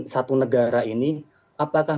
satu negara ini apakah